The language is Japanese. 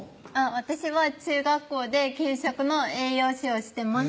私は中学校で給食の栄養士をしてます